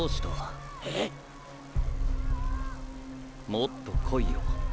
もっとこいよ。